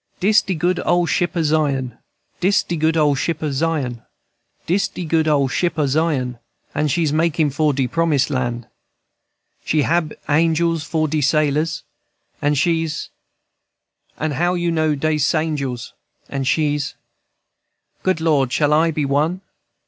_ "Dis de good ole ship o' Zion, Dis de good ole ship o' Zion, Dis de good ole ship o' Zion, And she's makin' for de Promise Land. She hab angels for de sailors, (Thrice.) And she's, &c. And how you know dey's angels? (Thrice.) And she's, &c. Good Lord, Shall I be one? _(Thrice.)